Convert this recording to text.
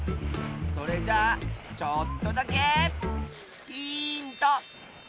それじゃあちょっとだけヒント！